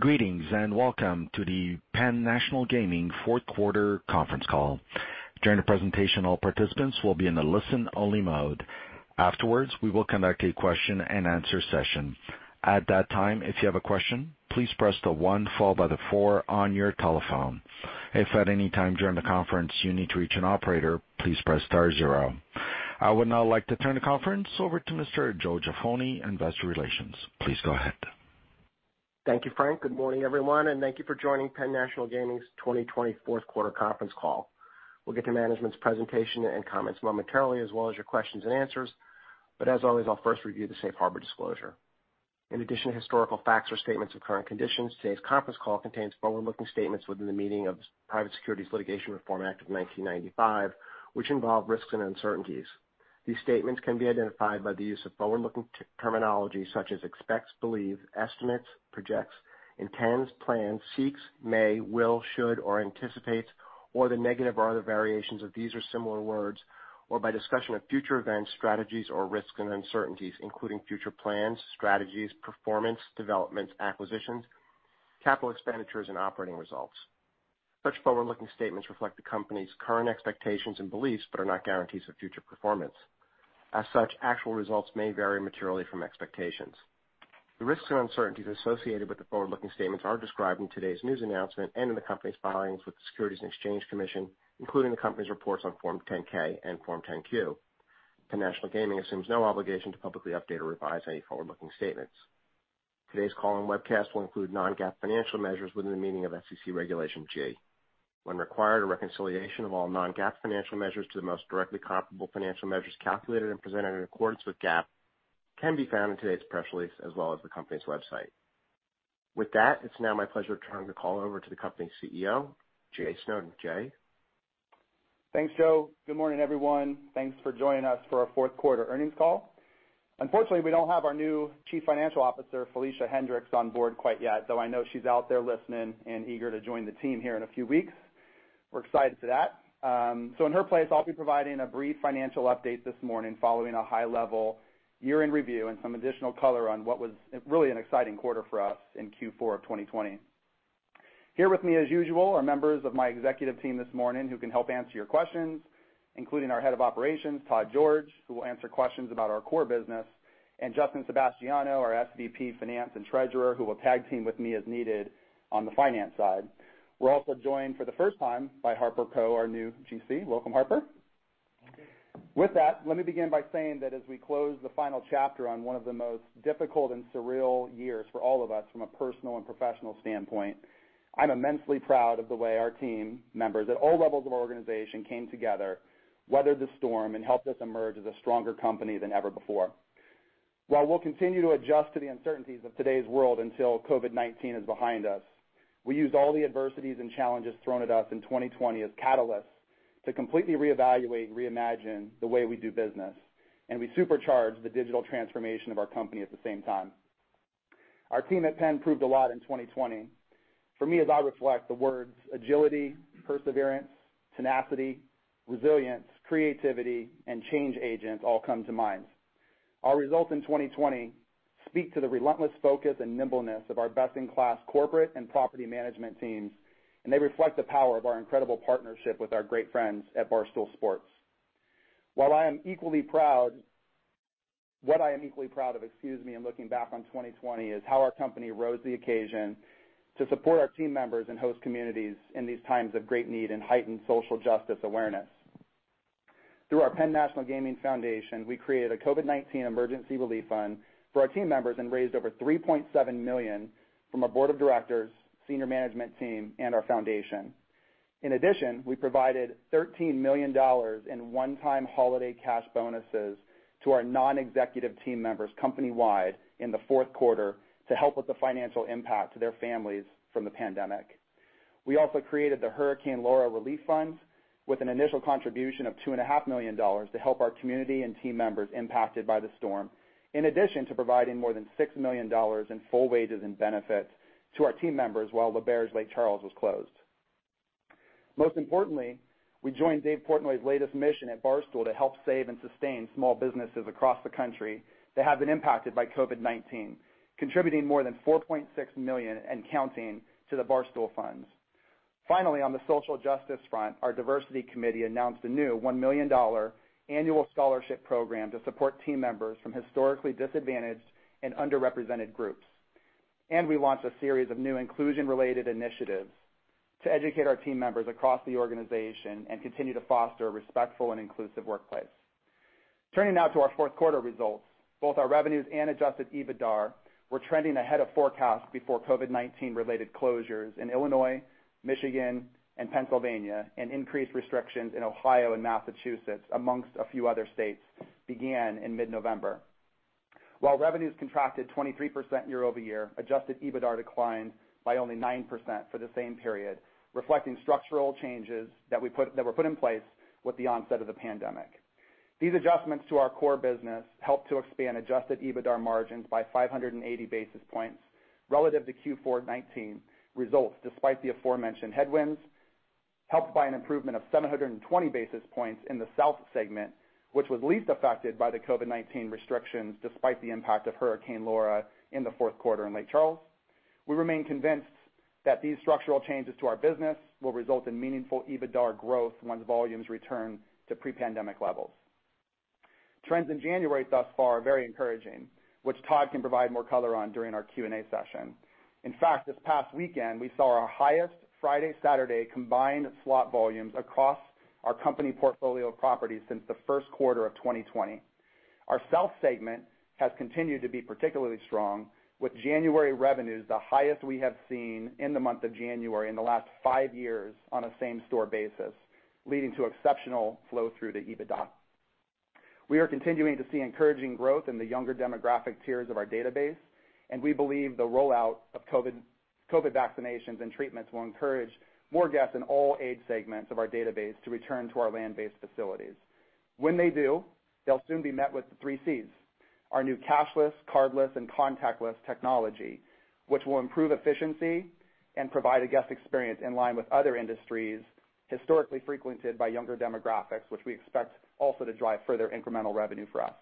Greetings and welcome to the PENN National Gaming fourth quarter conference call. During the presentation, all participants will be in a listen-only mode. Afterwards, we will conduct a question-and-answer session. At that time, if you have a question, please press the one followed by the four on your telephone. If at any time during the conference you need to reach an operator, please press star zero. I would now like to turn the conference over to Mr. Joe Jaffoni, Investor Relations. Please go ahead. Thank you, Frank. Good morning, everyone, and thank you for joining PENN National Gaming's 2020 fourth quarter conference call. We'll get to management's presentation and comments momentarily, as well as your questions and answers, but as always, I'll first review the safe harbor disclosure. In addition to historical facts or statements of current conditions, today's conference call contains forward-looking statements within the meaning of the Private Securities Litigation Reform Act of 1995, which involve risks and uncertainties. These statements can be identified by the use of forward-looking terminology such as expects, believe, estimates, projects, intends, plans, seeks, may, will, should, or anticipates, or the negative or other variations of these or similar words, or by discussion of future events, strategies, or risks and uncertainties, including future plans, strategies, performance, developments, acquisitions, capital expenditures, and operating results. Such forward-looking statements reflect the company's current expectations and beliefs but are not guarantees of future performance. As such, actual results may vary materially from expectations. The risks and uncertainties associated with the forward-looking statements are described in today's news announcement and in the company's filings with the Securities and Exchange Commission, including the company's reports on Form 10-K and Form 10-Q. PENN National Gaming assumes no obligation to publicly update or revise any forward-looking statements. Today's call and webcast will include non-GAAP financial measures within the meaning of SEC Regulation G. When required, a reconciliation of all non-GAAP financial measures to the most directly comparable financial measures calculated and presented in accordance with GAAP can be found in today's press release as well as the company's website. With that, it's now my pleasure turning the call over to the company's CEO, Jay Snowden. Jay? Thanks, Joe. Good morning, everyone. Thanks for joining us for our fourth quarter earnings call. Unfortunately, we don't have our new Chief Financial Officer, Felicia Hendrix, on board quite yet, though I know she's out there listening and eager to join the team here in a few weeks. We're excited for that. In her place, I'll be providing a brief financial update this morning following a high-level year-end review and some additional color on what was really an exciting quarter for us in Q4 of 2020. Here with me as usual are members of my executive team this morning who can help answer your questions, including our Head of Operations, Todd George, who will answer questions about our core business, and Justin Sebastiano, our SVP Finance and Treasurer, who will tag team with me as needed on the finance side. We're also joined for the first time by Harper Ko, our new GC. Welcome, Harper. Thank you. With that, let me begin by saying that as we close the final chapter on one of the most difficult and surreal years for all of us from a personal and professional standpoint, I'm immensely proud of the way our team members at all levels of our organization came together, weathered the storm, and helped us emerge as a stronger company than ever before. While we'll continue to adjust to the uncertainties of today's world until COVID-19 is behind us, we used all the adversities and challenges thrown at us in 2020 as catalysts to completely reevaluate and reimagine the way we do business, and we supercharged the digital transformation of our company at the same time. Our team at PENN proved a lot in 2020. For me, as I reflect, the words agility, perseverance, tenacity, resilience, creativity, and change agent all come to mind. Our results in 2020 speak to the relentless focus and nimbleness of our best-in-class corporate and property management teams, and they reflect the power of our incredible partnership with our great friends at Barstool Sports. What I am equally proud of in looking back on 2020 is how our company rose to the occasion to support our team members and host communities in these times of great need and heightened social justice awareness. Through our PENN National Gaming Foundation, we created a COVID-19 emergency relief fund for our team members and raised over $3.7 million from our board of directors, senior management team, and our foundation. In addition, we provided $13 million in one-time holiday cash bonuses to our non-executive team members company-wide in the fourth quarter to help with the financial impact to their families from the pandemic. We also created the Hurricane Laura Relief Fund with an initial contribution of $2.5 million to help our community and team members impacted by the storm, in addition to providing more than $6 million in full wages and benefits to our team members while the L'Auberge Lake Charles was closed. Most importantly, we joined Dave Portnoy's latest mission at Barstool Sports to help save and sustain small businesses across the country that have been impacted by COVID-19, contributing more than $4.6 million and counting to the Barstool Fund. Finally, on the social justice front, our diversity committee announced a new $1 million annual scholarship program to support team members from historically disadvantaged and underrepresented groups. We launched a series of new inclusion-related initiatives to educate our team members across the organization and continue to foster a respectful and inclusive workplace. Turning now to our fourth quarter results, both our revenues and adjusted EBITDA were trending ahead of forecast before COVID-19 related closures in Illinois, Michigan, and Pennsylvania, and increased restrictions in Ohio and Massachusetts, amongst a few other states, began in mid-November. While revenues contracted 23% year-over-year, adjusted EBITDA declined by only 9% for the same period, reflecting structural changes that were put in place with the onset of the pandemic. These adjustments to our core business helped to expand adjusted EBITDA margins by 580 basis points relative to Q4 2019 results, despite the aforementioned headwinds. Helped by an improvement of 720 basis points in the South segment, which was least affected by the COVID-19 restrictions, despite the impact of Hurricane Laura in the fourth quarter in Lake Charles. We remain convinced that these structural changes to our business will result in meaningful EBITDA growth once volumes return to pre-pandemic levels. Trends in January thus far are very encouraging, which Todd can provide more color on during our Q&A session. In fact, this past weekend, we saw our highest Friday, Saturday combined slot volumes across our company portfolio of properties since the first quarter of 2020. Our South segment has continued to be particularly strong, with January revenues the highest we have seen in the month of January in the last five years on a same-store basis, leading to exceptional flow through to EBITDA. We are continuing to see encouraging growth in the younger demographic tiers of our database, and we believe the rollout of COVID vaccinations and treatments will encourage more guests in all age segments of our database to return to our land-based facilities. When they do, they'll soon be met with the three Cs, our new cashless, cardless, and contactless technology, which will improve efficiency and provide a guest experience in line with other industries historically frequented by younger demographics, which we expect also to drive further incremental revenue for us.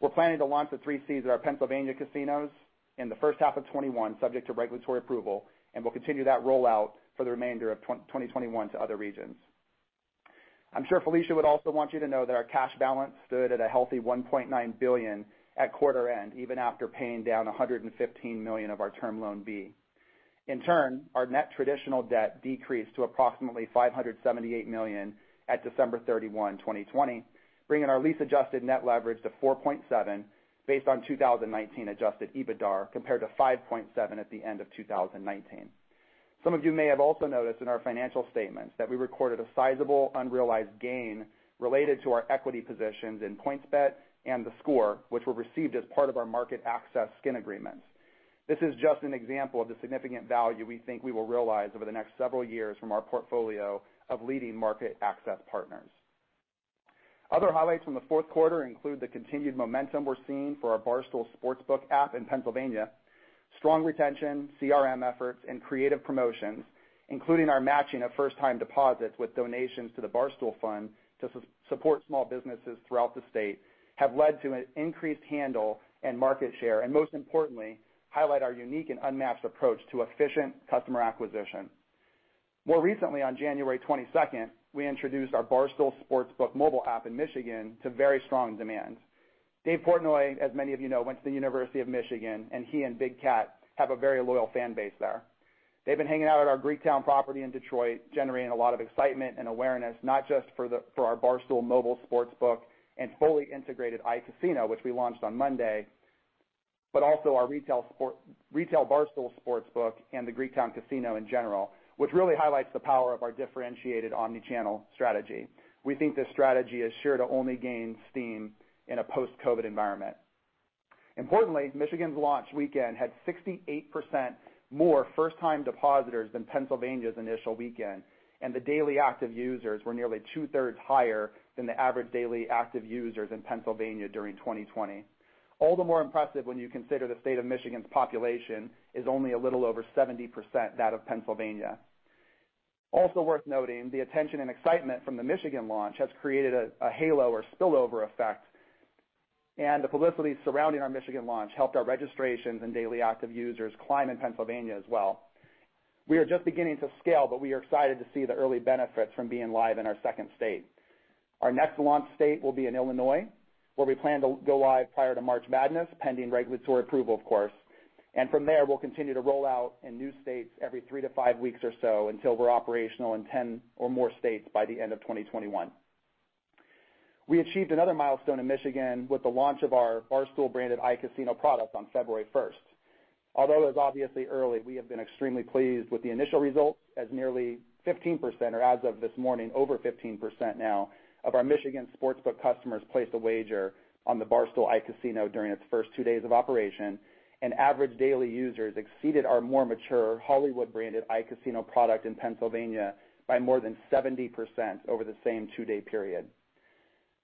We're planning to launch the three Cs at our Pennsylvania casinos in the first half of 2021, subject to regulatory approval, and we'll continue that rollout for the remainder of 2021 to other regions. I'm sure Felicia would also want you to know that our cash balance stood at a healthy $1.9 billion at quarter end, even after paying down $115 million of our Term Loan B. In turn, our net traditional debt decreased to approximately $578 million at December 31, 2020, bringing our lease-adjusted net leverage to 4.7 based on 2019 adjusted EBITDAR, compared to 5.7 at the end of 2019. Some of you may have also noticed in our financial statements that we recorded a sizable unrealized gain related to our equity positions in PointsBet and theScore, which were received as part of our market access skin agreements. This is just an example of the significant value we think we will realize over the next several years from our portfolio of leading market access partners. Other highlights from the fourth quarter include the continued momentum we're seeing for our Barstool Sportsbook app in Pennsylvania. Strong retention, CRM efforts, and creative promotions, including our matching of first-time deposits with donations to the Barstool Fund to support small businesses throughout the state, have led to an increased handle and market share, and most importantly, highlight our unique and unmatched approach to efficient customer acquisition. More recently, on January 22nd, we introduced our Barstool Sportsbook mobile app in Michigan to very strong demand. Dave Portnoy, as many of you know, went to the University of Michigan, and he and Big Cat have a very loyal fan base there. They've been hanging out at our Greektown property in Detroit, generating a lot of excitement and awareness, not just for our Barstool Sportsbook and fully integrated iCasino, which we launched on Monday, but also our retail Barstool Sportsbook and the Greektown Casino in general, which really highlights the power of our differentiated omni-channel strategy. We think this strategy is sure to only gain steam in a post-COVID environment. Importantly, Michigan's launch weekend had 68% more first-time depositors than Pennsylvania's initial weekend, and the daily active users were nearly 2/3 higher than the average daily active users in Pennsylvania during 2020. All the more impressive when you consider the state of Michigan's population is only a little over 70% that of Pennsylvania. Worth noting, the attention and excitement from the Michigan launch has created a halo or spillover effect, and the publicity surrounding our Michigan launch helped our registrations and daily active users climb in Pennsylvania as well. We are just beginning to scale, but we are excited to see the early benefits from being live in our second state. Our next launch state will be in Illinois, where we plan to go live prior to March Madness, pending regulatory approval, of course. From there, we'll continue to roll out in new states every three to five weeks or so until we're operational in 10 or more states by the end of 2021. We achieved another milestone in Michigan with the launch of our Barstool-branded iCasino product on February 1st. Although it's obviously early, we have been extremely pleased with the initial results, as nearly 15%, or as of this morning, over 15% now of our Michigan sportsbook customers placed a wager on the Barstool iCasino during its first two days of operation, and average daily users exceeded our more mature Hollywood-branded iCasino product in Pennsylvania by more than 70% over the same two-day period.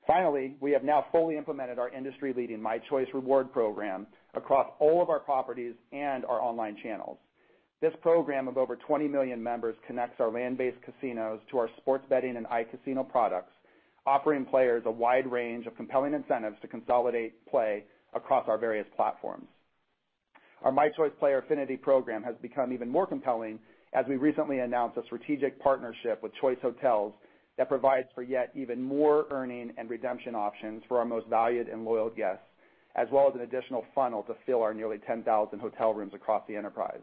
Finally, we have now fully implemented our industry-leading mychoice reward program across all of our properties and our online channels. This program of over 20 million members connects our land-based casinos to our sports betting and iCasino products, offering players a wide range of compelling incentives to consolidate play across our various platforms. Our mychoice player affinity program has become even more compelling, as we recently announced a strategic partnership with Choice Hotels that provides for yet even more earning and redemption options for our most valued and loyal guests, as well as an additional funnel to fill our nearly 10,000 hotel rooms across the enterprise.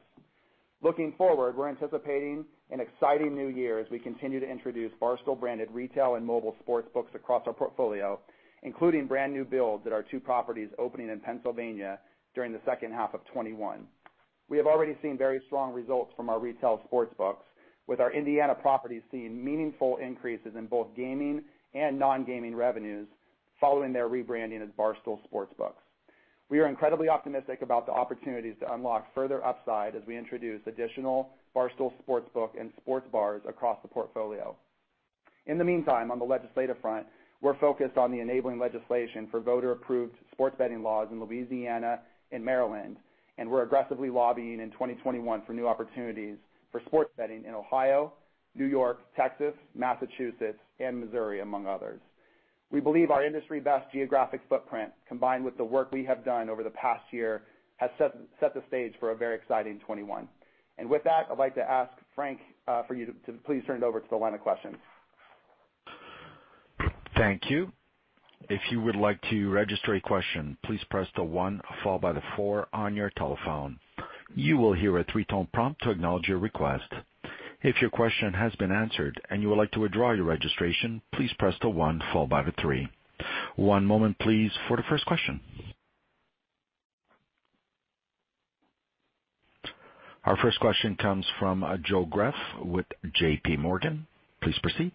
Looking forward, we're anticipating an exciting new year as we continue to introduce Barstool-branded retail and mobile sportsbooks across our portfolio, including brand-new builds at our two properties opening in Pennsylvania during the second half of 2021. We have already seen very strong results from our retail sportsbooks, with our Indiana properties seeing meaningful increases in both gaming and non-gaming revenues following their rebranding as Barstool Sportsbooks. We are incredibly optimistic about the opportunities to unlock further upside as we introduce additional Barstool Sportsbooks and sports bars across the portfolio. In the meantime, on the legislative front, we're focused on the enabling legislation for voter-approved sports betting laws in Louisiana and Maryland, and we're aggressively lobbying in 2021 for new opportunities for sports betting in Ohio, New York, Texas, Massachusetts, and Missouri, among others. We believe our industry-best geographic footprint, combined with the work we have done over the past year, has set the stage for a very exciting 2021. With that, I'd like to ask Frank for you to please turn it over to the line of questions. Thank you. If you would like to register a question, please press the one followed by the four on your telephone. You will hear a tone to acknowledge your request. If your question has been answered and you would like to withdraw your registration please press the one followed by the three. One moment please for our first question. Our first question comes from Joe Greff with JPMorgan. Please proceed.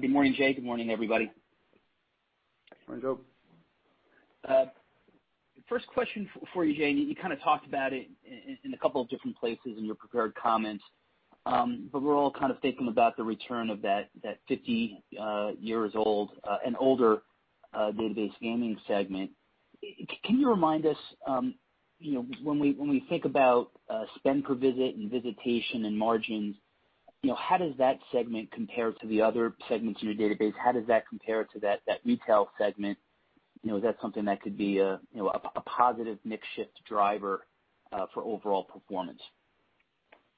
Good morning, Jay. Good morning, everybody. Morning, Joe. First question for you, Jay. You kind of talked about it in a couple of different places in your prepared comments, but we're all kind of thinking about the return of that 50 years old and older database gaming segment. Can you remind us, when we think about spend per visit and visitation and margins, how does that segment compare to the other segments in your database? How does that compare to that retail segment? Is that something that could be a positive mix shift driver for overall performance?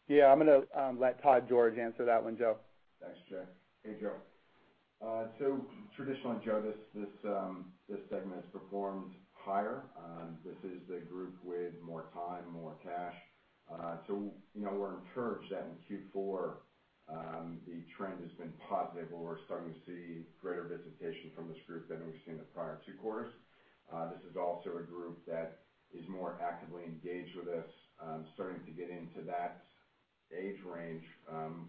Yeah, I'm going to let Todd George answer that one, Joe. Thanks, Jay. Hey, Joe. Traditionally, Joe, this segment has performed higher. This is the group with more time, more cash. We're encouraged that in Q4, the trend has been positive, where we're starting to see greater visitation from this group than we've seen in the prior two quarters. This is also a group that is more actively engaged with us, starting to get into that age range.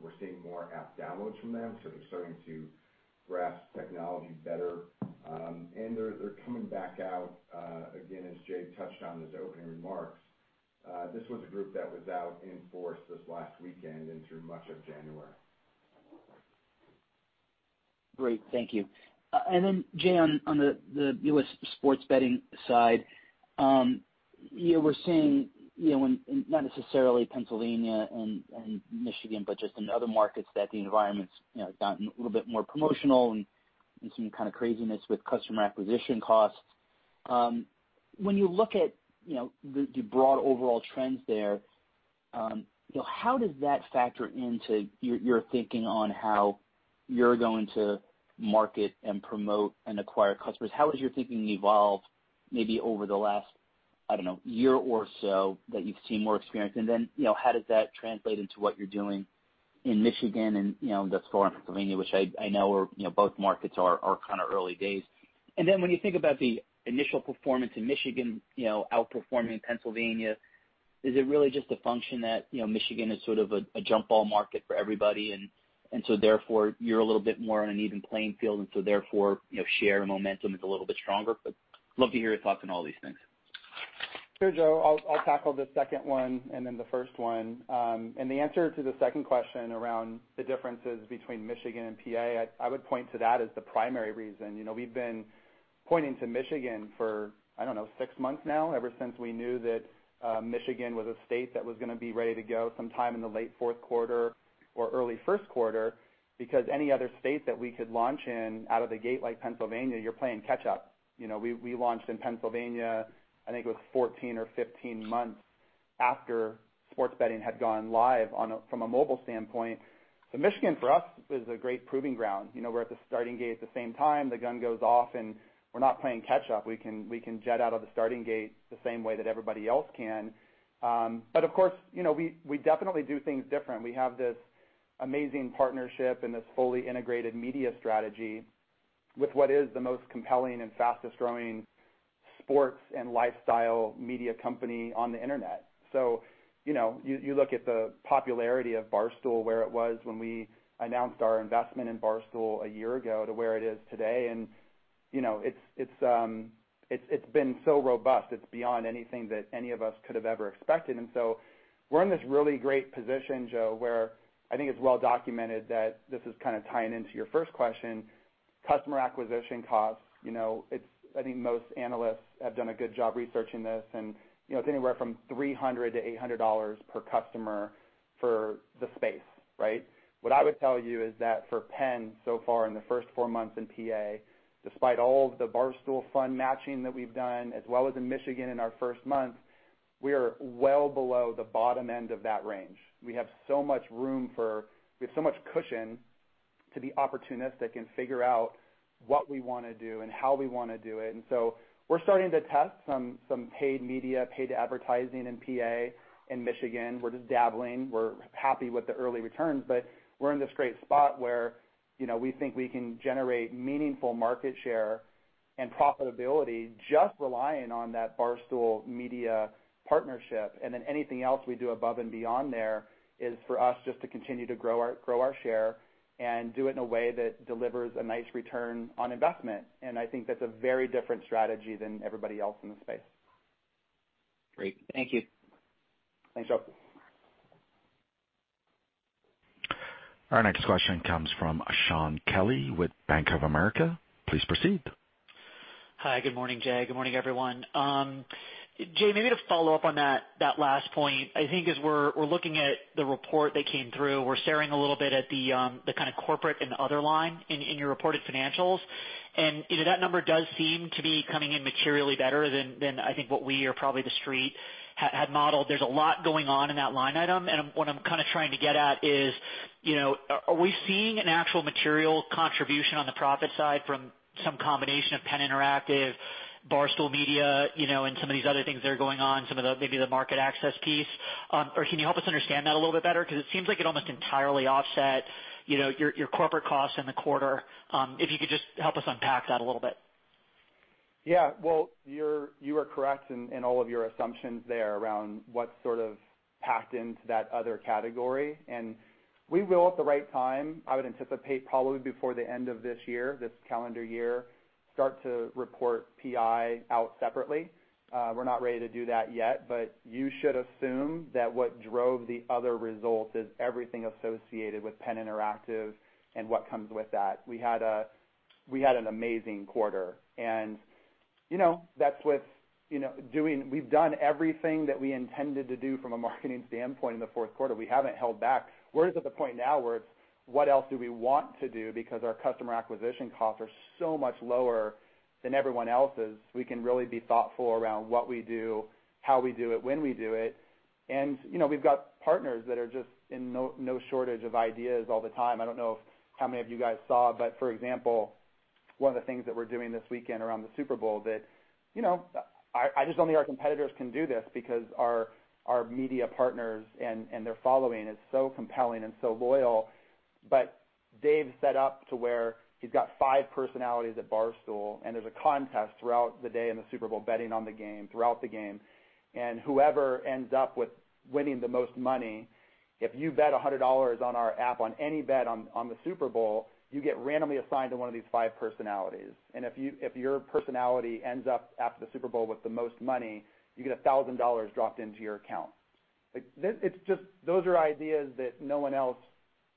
We're seeing more app downloads from them, so they're starting to grasp technology better. They're coming back out, again, as Jay touched on in his opening remarks. This was a group that was out in force this last weekend and through much of January. Great. Thank you. Then Jay, on the U.S. sports betting side, we're seeing, not necessarily Pennsylvania and Michigan, but just in other markets, that the environment's gotten a little bit more promotional and some kind of craziness with customer acquisition costs. When you look at the broad overall trends there, how does that factor into your thinking on how you're going to market and promote and acquire customers? How has your thinking evolved maybe over the last, I don't know, year or so that you've seen more experience? And then, how does that translate into what you're doing in Michigan and thus far in Pennsylvania, which I know both markets are kind of early days. When you think about the initial performance in Michigan outperforming Pennsylvania, is it really just a function that Michigan is sort of a jump ball market for everybody, and so therefore you're a little bit more on an even playing field and so therefore share momentum is a little bit stronger? Love to hear your thoughts on all these things. Sure, Joe, I'll tackle the second one and then the first one. The answer to the second question around the differences between Michigan and PA, I would point to that as the primary reason. We've been pointing to Michigan for, I don't know, six months now, ever since we knew that Michigan was a state that was going to be ready to go sometime in the late fourth quarter or early first quarter, because any other state that we could launch in out of the gate like Pennsylvania, you're playing catch up. We launched in Pennsylvania, I think it was 14 or 15 months after sports betting had gone live from a mobile standpoint. Michigan for us is a great proving ground. We're at the starting gate at the same time, the gun goes off, and we're not playing catch up. We can jet out of the starting gate the same way that everybody else can. Of course, we definitely do things different. We have this amazing partnership and this fully integrated media strategy with what is the most compelling and fastest-growing sports and lifestyle media company on the internet. You look at the popularity of Barstool, where it was when we announced our investment in Barstool a year ago to where it is today, and it's been so robust. It's beyond anything that any of us could have ever expected. We're in this really great position, Joe, where I think it's well documented that this is kind of tying into your first question, customer acquisition costs. I think most analysts have done a good job researching this, and it's anywhere from $300-$800 per customer for the space, right. What I would tell you is that for Penn, so far in the first four months in PA, despite all of the Barstool Fund matching that we've done, as well as in Michigan in our first month, we are well below the bottom end of that range. We have so much cushion to be opportunistic and figure out what we want to do and how we want to do it. We're starting to test some paid media, paid advertising in PA and Michigan. We're just dabbling. We're happy with the early returns, we're in this great spot where we think we can generate meaningful market share and profitability just relying on that Barstool media partnership. Anything else we do above and beyond there is for us just to continue to grow our share and do it in a way that delivers a nice return on investment. I think that's a very different strategy than everybody else in the space. Great. Thank you. Thanks, Joe. Our next question comes from Shaun Kelley with Bank of America. Please proceed. Hi, good morning, Jay. Good morning, everyone. Jay, maybe to follow up on that last point, I think as we're looking at the report that came through, we're staring a little bit at the corporate and other line in your reported financials. That number does seem to be coming in materially better than I think what we or probably the street had modeled. There's a lot going on in that line item, and what I'm trying to get at is, are we seeing an actual material contribution on the profit side from some combination of PENN Interactive, Barstool Media, and some of these other things that are going on, some of maybe the market access piece? Can you help us understand that a little bit better? Because it seems like it almost entirely offset your corporate costs in the quarter. If you could just help us unpack that a little bit. Yeah. Well, you are correct in all of your assumptions there around what's packed into that other category. We will at the right time, I would anticipate probably before the end of this year, this calendar year, start to report PI out separately. We're not ready to do that yet, but you should assume that what drove the other result is everything associated with PENN Interactive and what comes with that. We had an amazing quarter, we've done everything that we intended to do from a marketing standpoint in the fourth quarter. We haven't held back. We're at the point now where it's, what else do we want to do because our customer acquisition costs are so much lower than everyone else's. We can really be thoughtful around what we do, how we do it, when we do it, and we've got partners that are just in no shortage of ideas all the time. I don't know how many of you guys saw, but for example, one of the things that we're doing this weekend around the Super Bowl that I just don't think our competitors can do this because our media partners and their following is so compelling and so loyal. Dave set up to where he's got five personalities at Barstool, and there's a contest throughout the day in the Super Bowl betting on the game, throughout the game. Whoever ends up with winning the most money, if you bet $100 on our app on any bet on the Super Bowl, you get randomly assigned to one of these five personalities. If your personality ends up after the Super Bowl with the most money, you get $1,000 dropped into your account. Those are ideas that no one else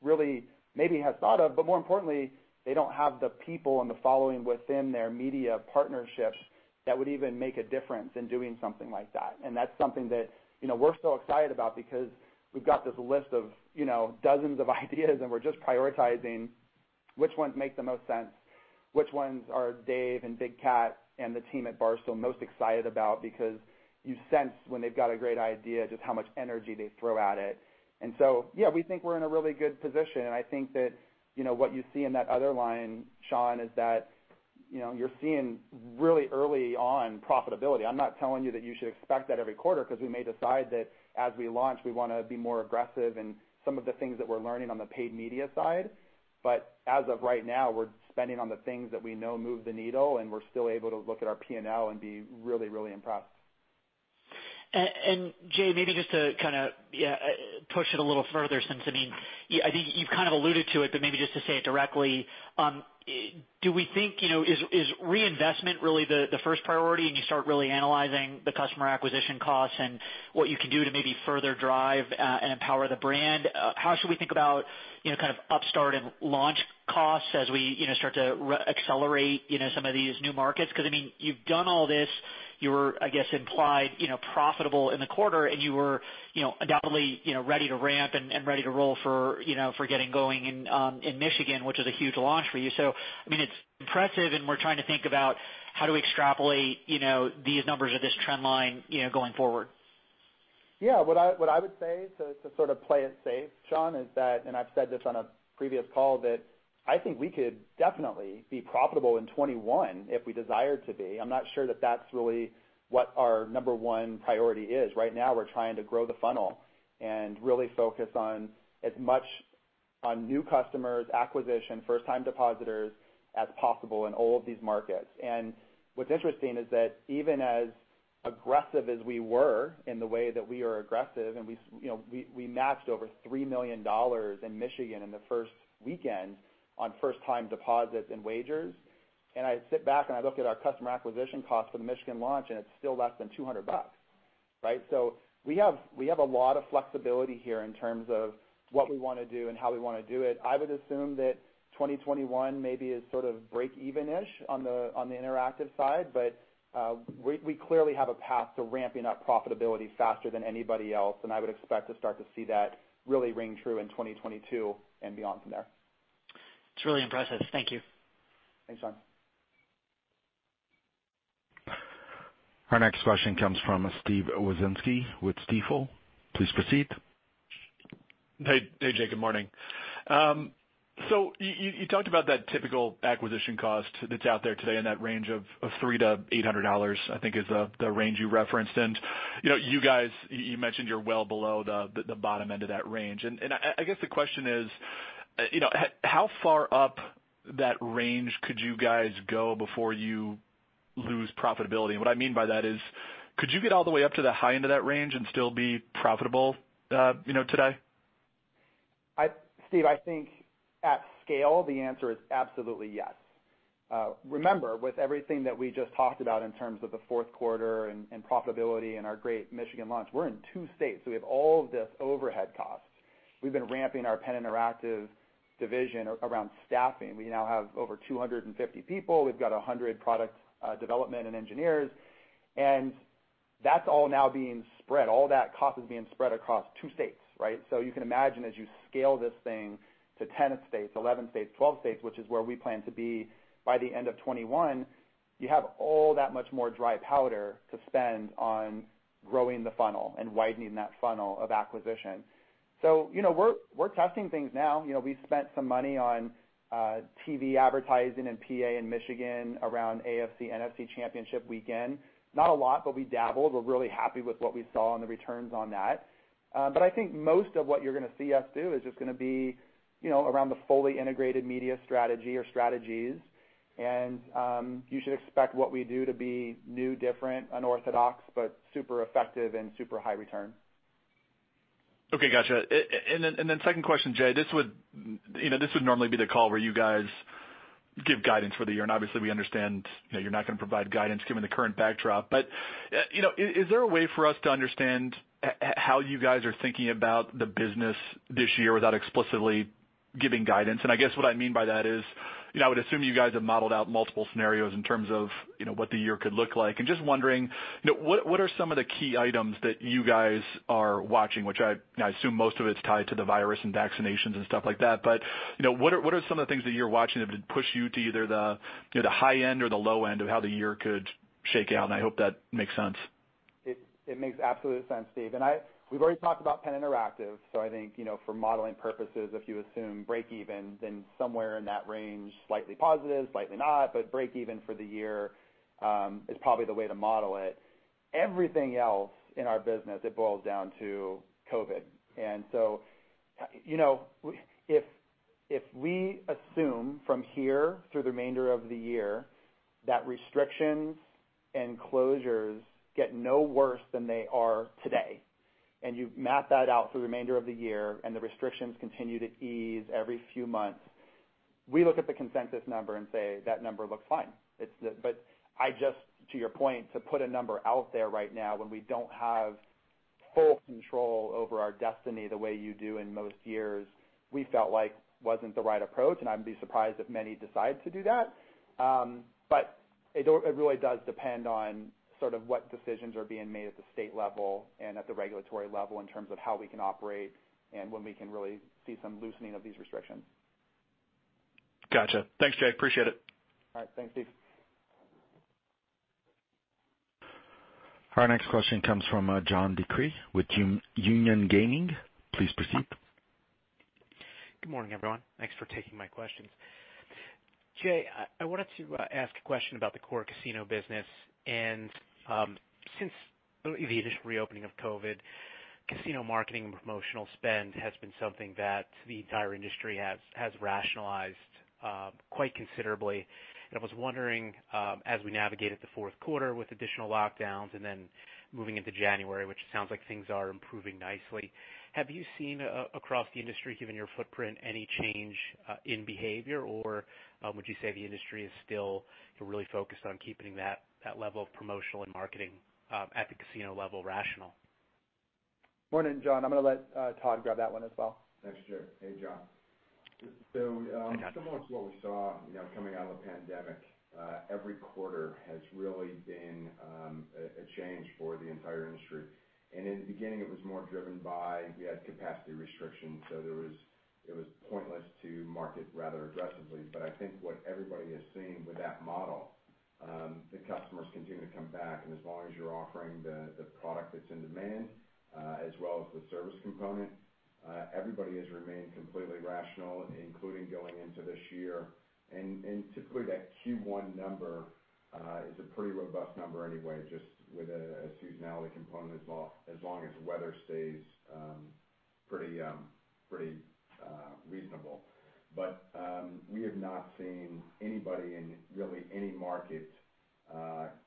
really maybe has thought of, but more importantly, they don't have the people and the following within their media partnerships that would even make a difference in doing something like that. That's something that we're so excited about because we've got this list of dozens of ideas, and we're just prioritizing which ones make the most sense, which ones are Dave and Big Cat and the team at Barstool most excited about because you sense when they've got a great idea, just how much energy they throw at it. Yeah, we think we're in a really good position, and I think that what you see in that other line, Shaun, is that you're seeing really early on profitability. I'm not telling you that you should expect that every quarter because we may decide that as we launch, we want to be more aggressive in some of the things that we're learning on the paid media side. As of right now, we're spending on the things that we know move the needle, and we're still able to look at our P&L and be really, really impressed. Jay, maybe just to push it a little further since, I think you've kind of alluded to it, but maybe just to say it directly. Do we think, is reinvestment really the first priority and you start really analyzing the customer acquisition costs and what you can do to maybe further drive and empower the brand? How should we think about upstart and launch costs as we start to accelerate some of these new markets? You've done all this, you were, I guess, implied profitable in the quarter, and you were undoubtedly ready to ramp and ready to roll for getting going in Michigan, which is a huge launch for you. It's impressive, and we're trying to think about how do we extrapolate these numbers or this trend line going forward. Yeah. What I would say to sort of play it safe, Shaun, is that, and I've said this on a previous call, that I think we could definitely be profitable in 2021 if we desired to be. I'm not sure that that's really what our number one priority is. Right now, we're trying to grow the funnel and really focus on as much on new customer acquisition, first-time depositors as possible in all of these markets. What's interesting is that even as aggressive as we were in the way that we are aggressive, and we matched over $3 million in Michigan in the first weekend on first-time deposits and wagers. I sit back and I look at our customer acquisition cost for the Michigan launch, and it's still less than $200. Right. We have a lot of flexibility here in terms of what we want to do and how we want to do it. I would assume that 2021 maybe is sort of breakeven-ish on the interactive side, but we clearly have a path to ramping up profitability faster than anybody else. I would expect to start to see that really ring true in 2022 and beyond from there. It's really impressive. Thank you. Thanks, Shaun. Our next question comes from Steve Wieczynski with Stifel. Please proceed. Hey, Jay. Good morning. You talked about that typical acquisition cost that's out there today in that range of $300-$800, I think is the range you referenced. You guys, you mentioned you're well below the bottom end of that range. I guess the question is, how far up that range could you guys go before you lose profitability? What I mean by that is, could you get all the way up to the high end of that range and still be profitable today? Steve, I think at scale, the answer is absolutely yes. Remember, with everything that we just talked about in terms of the fourth quarter and profitability and our great Michigan launch, we're in two states, so we have all of this overhead costs. We've been ramping our PENN Interactive division around staffing. We now have over 250 people. We've got 100 product development and engineers, and that's all now being spread. All that cost is being spread across two states, right. You can imagine, as you scale this thing to 10 states, 11 states, 12 states, which is where we plan to be by the end of 2021, you have all that much more dry powder to spend on growing the funnel and widening that funnel of acquisition. We're testing things now. We spent some money on TV advertising in PA and Michigan around AFC, NFC championship weekend. Not a lot, we dabbled. We're really happy with what we saw on the returns on that. I think most of what you're going to see us do is just going to be around the fully integrated media strategy or strategies. You should expect what we do to be new, different, unorthodox, but super effective and super high return. Okay. Got you. Second question, Jay. This would normally be the call where you guys give guidance for the year, obviously, we understand that you're not going to provide guidance given the current backdrop. Is there a way for us to understand how you guys are thinking about the business this year without explicitly giving guidance? I guess what I mean by that is, I would assume you guys have modeled out multiple scenarios in terms of what the year could look like. Just wondering, what are some of the key items that you guys are watching? Which I assume most of it's tied to the virus and vaccinations and stuff like that, what are some of the things that you're watching that would push you to either the high end or the low end of how the year could shake out? I hope that makes sense. It makes absolute sense, Steve. We've already talked about PENN Interactive. I think, for modeling purposes, if you assume break even, somewhere in that range, slightly positive, slightly not, but break even for the year, is probably the way to model it. Everything else in our business, it boils down to COVID. If we assume from here through the remainder of the year that restrictions and closures get no worse than they are today, and you map that out through the remainder of the year, and the restrictions continue to ease every few months, we look at the consensus number and say, "That number looks fine." I just, to your point, to put a number out there right now when we don't have full control over our destiny the way you do in most years, we felt like wasn't the right approach, and I'd be surprised if many decide to do that. It really does depend on what decisions are being made at the state level and at the regulatory level in terms of how we can operate and when we can really see some loosening of these restrictions. Got you. Thanks, Jay. Appreciate it. All right. Thanks, Steve. Our next question comes from John DeCree with Union Gaming. Please proceed. Good morning, everyone. Thanks for taking my questions. Jay, I wanted to ask a question about the core casino business. Since the initial reopening of COVID, casino marketing and promotional spend has been something that the entire industry has rationalized quite considerably. I was wondering, as we navigate at the fourth quarter with additional lockdowns and then moving into January, which sounds like things are improving nicely, have you seen, across the industry, given your footprint, any change in behavior, or would you say the industry is still really focused on keeping that level of promotional and marketing at the casino level rational? Morning, John. I'm going to let Todd grab that one as well. Thanks, Jay. Hey, John. Hi, Todd. Similar to what we saw coming out of the pandemic, every quarter has really been a change for the entire industry. In the beginning, it was more driven by, we had capacity restrictions, so it was pointless to market rather aggressively. I think what everybody is seeing with that model, the customers continue to come back, and as long as you're offering the product that's in demand, as well as the service component, everybody has remained completely rational, including going into this year. Typically, that Q1 number, is a pretty robust number anyway, just with a seasonality component, as long as weather stays pretty reasonable. We have not seen anybody in really any market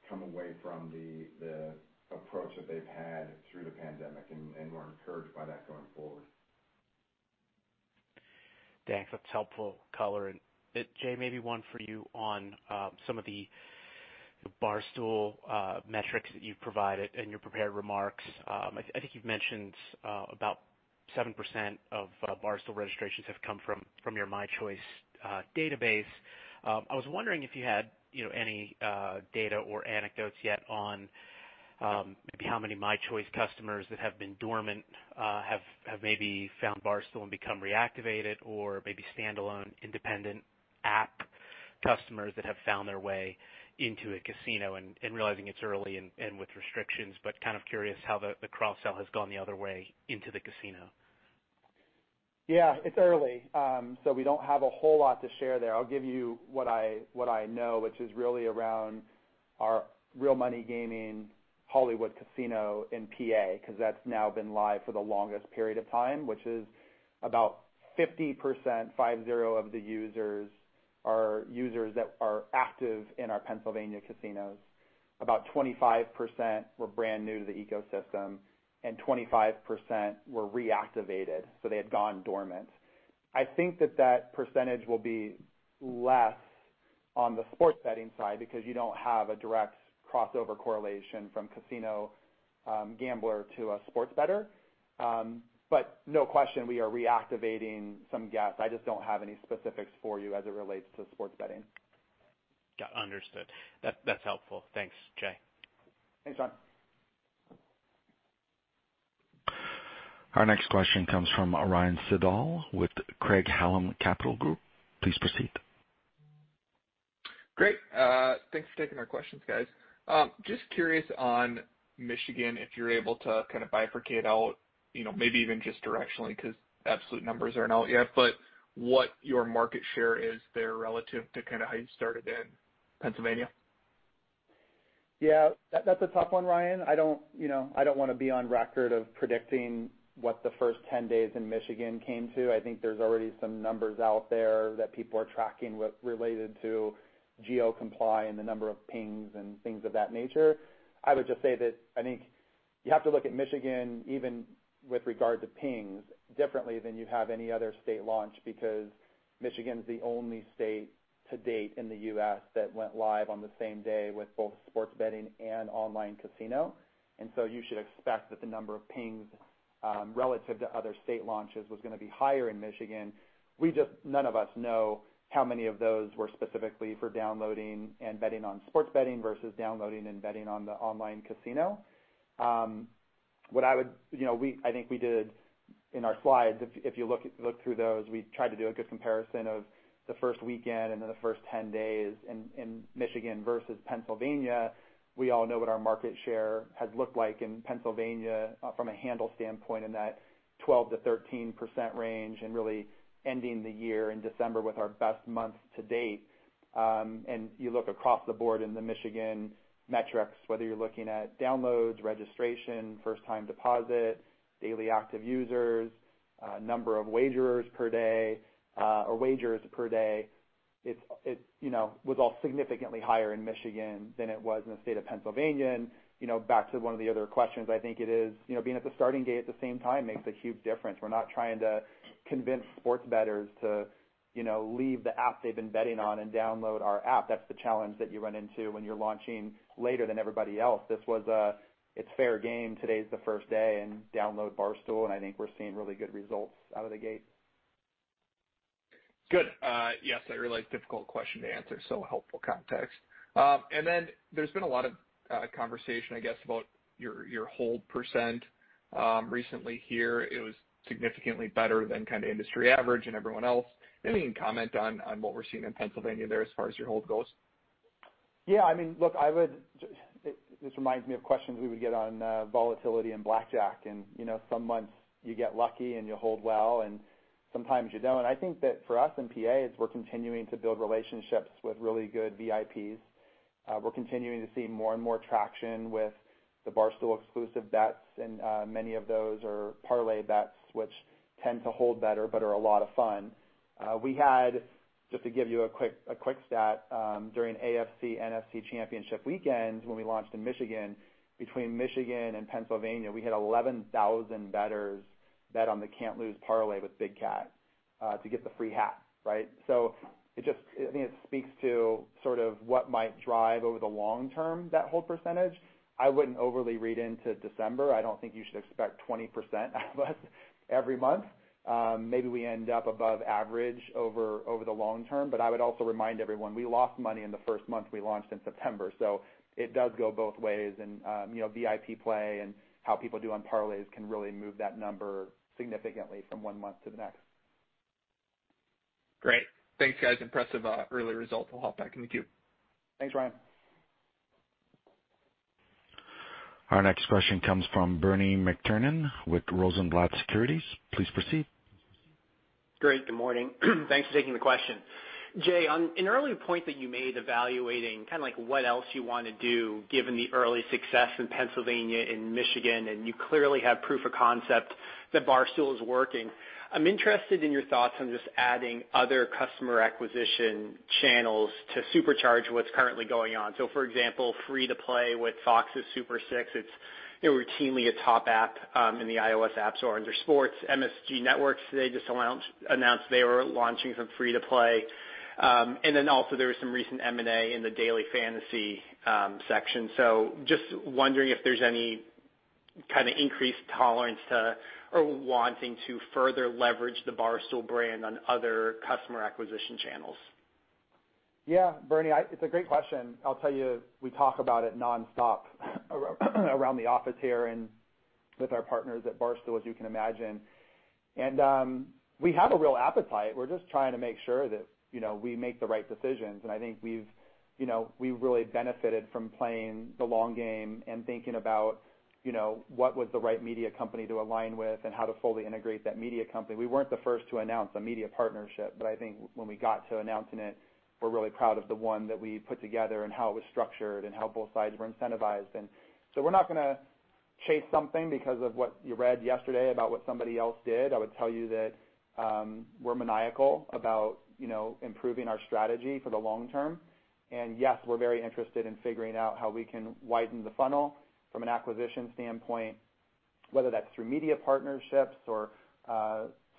come away from the approach that they've had through the pandemic, and we're encouraged by that going forward. Thanks. That's helpful color. Jay, maybe one for you on some of the Barstool metrics that you've provided in your prepared remarks. I think you've mentioned about 7% of Barstool registrations have come from your mychoice database. I was wondering if you had any data or anecdotes yet on maybe how many mychoice customers that have been dormant have maybe found Barstool and become reactivated, or maybe standalone independent app customers that have found their way into a casino. Realizing it's early and with restrictions, but kind of curious how the cross-sell has gone the other way into the casino. Yeah, it's early. We don't have a whole lot to share there. I'll give you what I know, which is really around our real money gaming Hollywood Casino in PA, because that's now been live for the longest period of time, which is about 50% of the users are users that are active in our Pennsylvania casinos. About 25% were brand new to the ecosystem and 25% were reactivated, so they had gone dormant. I think that that percentage will be less on the sports betting side because you don't have a direct crossover correlation from casino gambler to a sports bettor. No question, we are reactivating some guests. I just don't have any specifics for you as it relates to sports betting. Got it. Understood. That's helpful. Thanks, Jay. Thanks, John. Our next question comes from Ryan Sigdahl with Craig-Hallum Capital Group. Please proceed. Great. Thanks for taking our questions, guys. Just curious on Michigan, if you're able to kind of bifurcate out, maybe even just directionally, because absolute numbers aren't out yet, but what your market share is there relative to how you started in Pennsylvania? Yeah. That's a tough one, Ryan. I don't want to be on record of predicting what the first 10 days in Michigan came to. I think there's already some numbers out there that people are tracking related to GeoComply and the number of pings and things of that nature. I would just say that I think you have to look at Michigan, even with regard to pings, differently than you have any other state launch, because Michigan's the only state to date in the U.S. that went live on the same day with both sports betting and online casino. You should expect that the number of pings, relative to other state launches, was going to be higher in Michigan. None of us know how many of those were specifically for downloading and betting on sports betting versus downloading and betting on the online casino. I think we did, in our slides, if you look through those, we tried to do a good comparison of the first weekend and then the first 10 days in Michigan versus Pennsylvania. We all know what our market share has looked like in Pennsylvania from a handle standpoint in that 12%-13% range, and really ending the year in December with our best month to date. You look across the board in the Michigan metrics, whether you're looking at downloads, registration, first-time deposits, daily active users, number of wagers per day, it was all significantly higher in Michigan than it was in the state of Pennsylvania. Back to one of the other questions, I think it is being at the starting gate at the same time makes a huge difference. We're not trying to convince sports bettors to leave the app they've been betting on and download our app. That's the challenge that you run into when you're launching later than everybody else. This was a, "It's fair game. Today's the first day, and download Barstool," and I think we're seeing really good results out of the gate. Good. Yes, I realize, difficult question to answer, so helpful context. There's been a lot of conversation, I guess, about your hold percent recently here. It was significantly better than industry average and everyone else. Anything you can comment on what we're seeing in Pennsylvania there as far as your hold goes? Yeah, this reminds me of questions we would get on volatility and blackjack. Some months you get lucky and you'll hold well. Sometimes you don't. I think that for us in PA, is we're continuing to build relationships with really good VIPs. We're continuing to see more and more traction with the Barstool exclusive bets. Many of those are parlay bets, which tend to hold better but are a lot of fun. We had, just to give you a quick stat, during AFC, NFC championship weekend, when we launched in Michigan, between Michigan and Pennsylvania, we had 11,000 bettors bet on the Can't Lose Parlay with Big Cat to get the free hat, right. I think it speaks to sort of what might drive over the long term, that hold percentage. I wouldn't overly read into December. I don't think you should expect 20% out of us every month. Maybe we end up above average over the long term. I would also remind everyone, we lost money in the first month we launched in September. It does go both ways and VIP play and how people do on parlays can really move that number significantly from one month to the next. Great. Thanks, guys. Impressive early results. I'll hop back in the queue. Thanks, Ryan. Our next question comes from Bernie McTernan with Rosenblatt Securities. Please proceed. Great. Good morning. Thanks for taking the question. Jay, on an earlier point that you made evaluating what else you want to do given the early success in Pennsylvania and Michigan, and you clearly have proof of concept that Barstool is working. I'm interested in your thoughts on just adding other customer acquisition channels to supercharge what's currently going on. For example, free-to-play with FOX's Super 6, it's routinely a top app in the iOS App Store under sports. MSG Networks today just announced they were launching some free-to-play. There was some recent M&A in the daily fantasy section. Just wondering if there's any kind of increased tolerance to, or wanting to further leverage the Barstool brand on other customer acquisition channels. Yeah. Bernie, it's a great question. I'll tell you, we talk about it nonstop around the office here and with our partners at Barstool, as you can imagine. We have a real appetite. We're just trying to make sure that we make the right decisions. I think we've really benefited from playing the long game and thinking about what was the right media company to align with and how to fully integrate that media company. We weren't the first to announce a media partnership. I think when we got to announcing it, we're really proud of the one that we put together and how it was structured and how both sides were incentivized. We're not going to chase something because of what you read yesterday about what somebody else did. I would tell you that we're maniacal about improving our strategy for the long term. Yes, we're very interested in figuring out how we can widen the funnel from an acquisition standpoint, whether that's through media partnerships or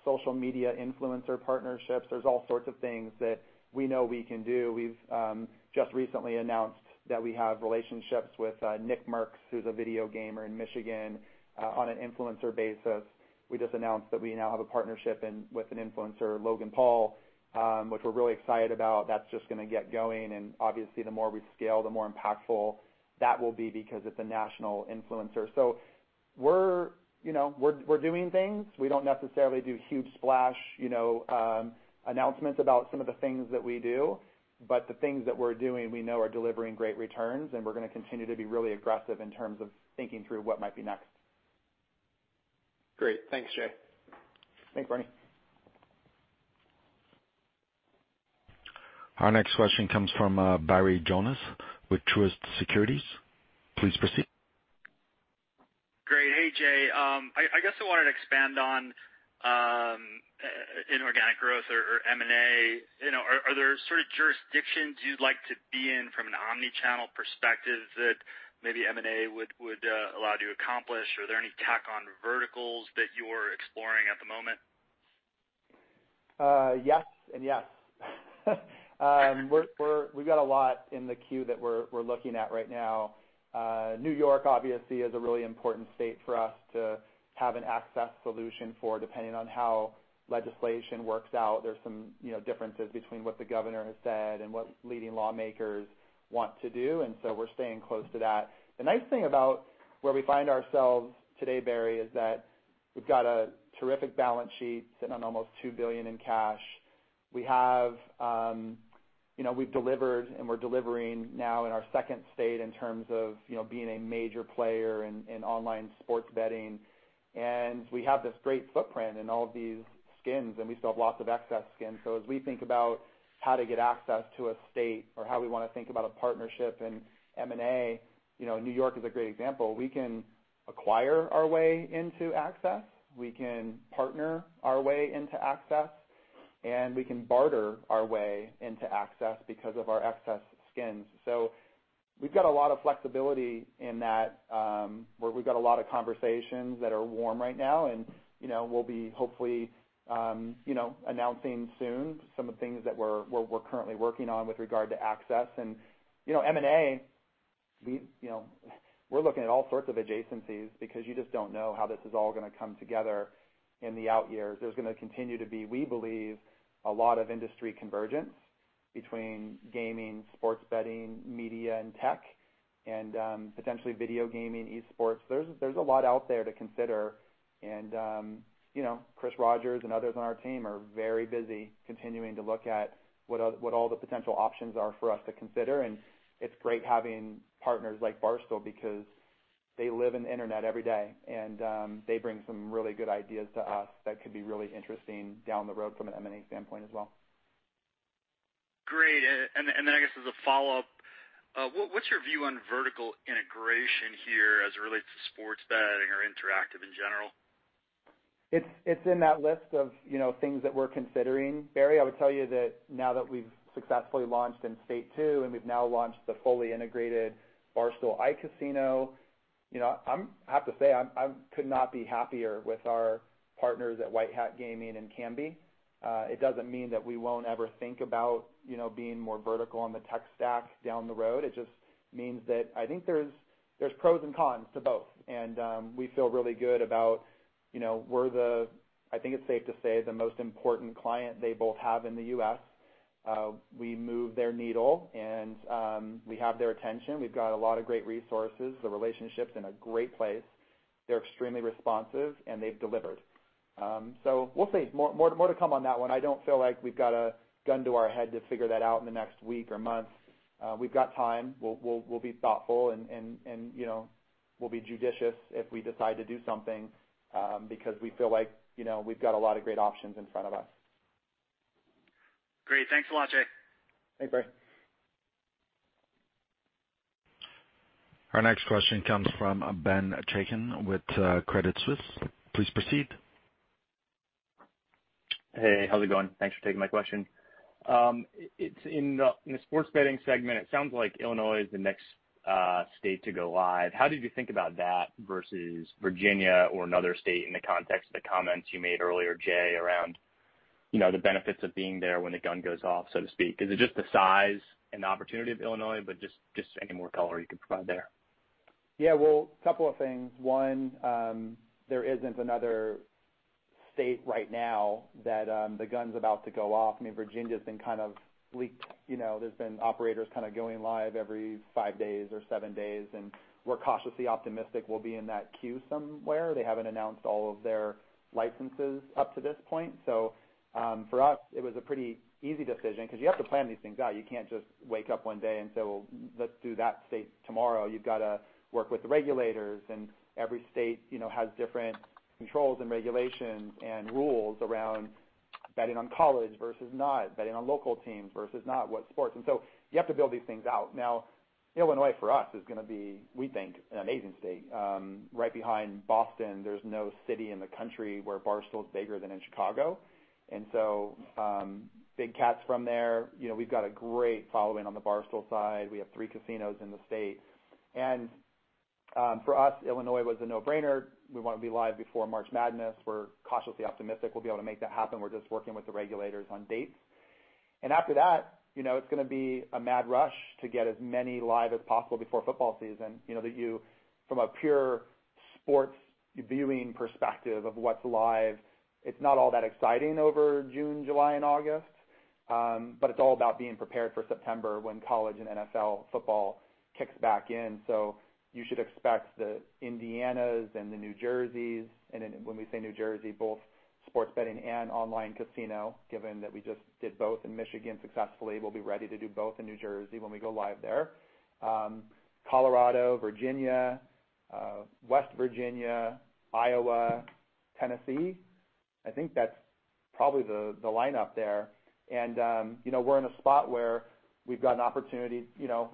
social media influencer partnerships. There's all sorts of things that we know we can do. We've just recently announced that we have relationships with NICKMERCS, who's a video gamer in Michigan, on an influencer basis. We just announced that we now have a partnership with an influencer, Logan Paul, which we're really excited about. That's just going to get going, and obviously the more we scale, the more impactful that will be because it's a national influencer. We're doing things. We don't necessarily do huge splash announcements about some of the things that we do. The things that we're doing, we know are delivering great returns, and we're going to continue to be really aggressive in terms of thinking through what might be next. Great. Thanks, Jay. Thanks, Bernie. Our next question comes from Barry Jonas with Truist Securities. Please proceed. Great. Hey, Jay. I guess I wanted to expand on inorganic growth or M&A. Are there sort of jurisdictions you'd like to be in from an omni-channel perspective that maybe M&A would allow you to accomplish? Are there any tack-on verticals that you're exploring at the moment? Yes and yes. We've got a lot in the queue that we're looking at right now. New York, obviously, is a really important state for us to have an access solution for, depending on how legislation works out. There's some differences between what the governor has said and what leading lawmakers want to do, and so we're staying close to that. The nice thing about where we find ourselves today, Barry, is that we've got a terrific balance sheet, sitting on almost $2 billion in cash. We've delivered, and we're delivering now in our second state in terms of being a major player in online sports betting. We have this great footprint in all of these skins, and we still have lots of excess skin. As we think about how to get access to a state or how we want to think about a partnership in M&A, New York is a great example. We can acquire our way into access, we can partner our way into access, and we can barter our way into access because of our excess skins. We've got a lot of flexibility in that, where we've got a lot of conversations that are warm right now. We'll be hopefully announcing soon some of the things that we're currently working on with regard to access. M&A, we're looking at all sorts of adjacencies because you just don't know how this is all going to come together in the out years. There's going to continue to be, we believe, a lot of industry convergence between gaming, sports betting, media, and tech, and potentially video gaming, esports. There's a lot out there to consider. Chris Rogers and others on our team are very busy continuing to look at what all the potential options are for us to consider. It's great having partners like Barstool because they live in the internet every day, and they bring some really good ideas to us that could be really interesting down the road from an M&A standpoint as well. Great. I guess as a follow-up, what's your view on vertical integration here as it relates to sports betting or interactive in general? It's in that list of things that we're considering. Barry, I would tell you that now that we've successfully launched in state two, and we've now launched the fully integrated Barstool iCasino, I have to say, I could not be happier with our partners at White Hat Gaming and Kambi. It doesn't mean that we won't ever think about being more vertical on the tech stack down the road. It just means that I think there's pros and cons to both. We feel really good about we're the, I think it's safe to say, the most important client they both have in the U.S. We move their needle, and we have their attention. We've got a lot of great resources, the relationship's in a great place. They're extremely responsive, and they've delivered. We'll see. More to come on that one. I don't feel like we've got a gun to our head to figure that out in the next week or month. We've got time. We'll be thoughtful, and we'll be judicious if we decide to do something, because we feel like we've got a lot of great options in front of us. Great. Thanks a lot, Jay. Thanks, Barry. Our next question comes from Ben Chaiken with Credit Suisse. Please proceed. Hey, how's it going? Thanks for taking my question. In the sports betting segment, it sounds like Illinois is the next state to go live. How did you think about that versus Virginia or another state in the context of the comments you made earlier, Jay, around the benefits of being there when the gun goes off, so to speak. Is it just the size and the opportunity of Illinois, but just any more color you could provide there? Yeah. Well, couple of things. One, there isn't another state right now that the gun's about to go off. I mean, Virginia's been kind of leaked. There's been operators kind of going live every five days or seven days, we're cautiously optimistic we'll be in that queue somewhere. They haven't announced all of their licenses up to this point. For us, it was a pretty easy decision because you have to plan these things out. You can't just wake up one day and say, "Well, let's do that state tomorrow." You've got to work with the regulators, every state has different controls and regulations and rules around betting on college versus not betting on local teams versus not what sports. You have to build these things out. Now, Illinois, for us, is going to be, we think, an amazing state. Right behind Boston, there's no city in the country where Barstool is bigger than in Chicago. Big Cat from there. We've got a great following on the Barstool side. We have three casinos in the state. For us, Illinois was a no-brainer. We want to be live before March Madness. We're cautiously optimistic we'll be able to make that happen. We're just working with the regulators on dates. After that, it's going to be a mad rush to get as many live as possible before football season, from a pure sports viewing perspective of what's live, it's not all that exciting over June, July, and August. It's all about being prepared for September when college and NFL football kicks back in. You should expect the Indianas and the New Jerseys, and when we say New Jersey, both sports betting and online casino, given that we just did both in Michigan successfully, we'll be ready to do both in New Jersey when we go live there. Colorado, Virginia, West Virginia, Iowa, Tennessee. I think that's probably the lineup there. We're in a spot where we've got an opportunity,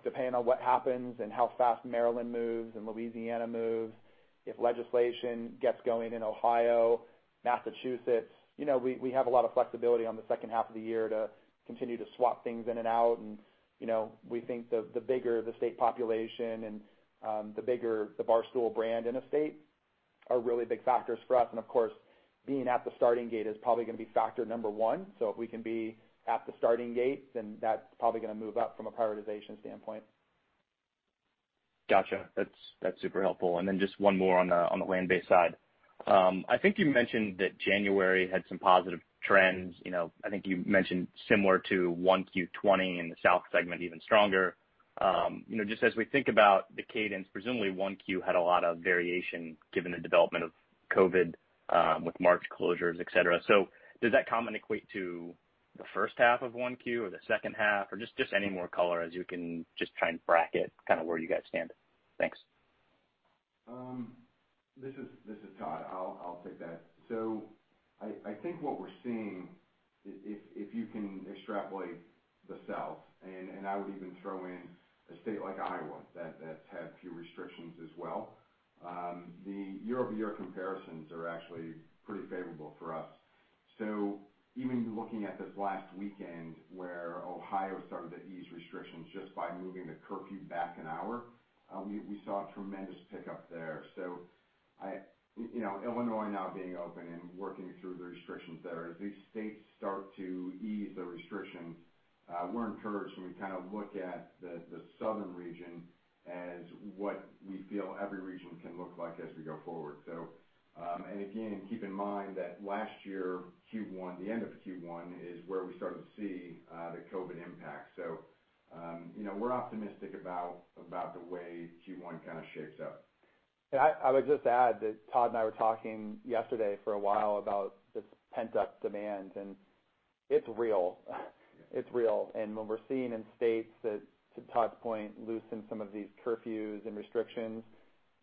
depending on what happens and how fast Maryland moves and Louisiana moves, if legislation gets going in Ohio, Massachusetts. We have a lot of flexibility on the second half of the year to continue to swap things in and out. We think the bigger the state population and the bigger the Barstool brand in a state are really big factors for us. Of course, being at the starting gate is probably going to be factor number one. If we can be at the starting gate, that's probably going to move up from a prioritization standpoint. Got you. That's super helpful. Just one more on the land-based side. I think you mentioned that January had some positive trends. I think you mentioned similar to 1Q 2020 in the South segment, even stronger. Just as we think about the cadence, presumably 1Q had a lot of variation given the development of COVID with March closures, et cetera. Does that comment equate to the first half of 1Q or the second half? Or just any more color as you can just try and bracket where you guys stand? Thanks. This is Todd. I'll take that. I think what we're seeing, if you can extrapolate the South, and I would even throw in a state like Iowa that's had few restrictions as well. The year-over-year comparisons are actually pretty favorable for us. Even looking at this last weekend where Ohio started to ease restrictions just by moving the curfew back an hour, we saw a tremendous pickup there. Illinois now being open and working through the restrictions there, as these states start to ease the restrictions, we're encouraged when we look at the Southern region as what we feel every region can look like as we go forward. Again, keep in mind that last year, Q1, the end of Q1 is where we started to see the COVID impact. We're optimistic about the way Q1 shapes up. I would just add that Todd and I were talking yesterday for a while about this pent-up demand, and it's real. It's real. When we're seeing in states that, to Todd's point, loosen some of these curfews and restrictions,